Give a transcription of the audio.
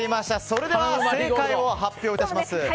それでは正解を発表いたします。